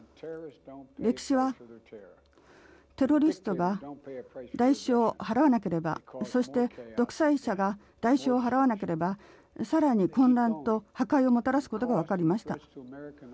歴史はテロリストが代償を払わなければそして独裁者が代償を払わなければ更に混乱と破壊をもたらすことがわかりました。